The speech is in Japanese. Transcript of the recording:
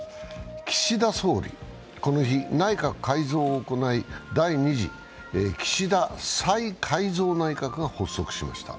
岸田総理、この日、内閣改造を行い第２次岸田再改造内閣が発足しました。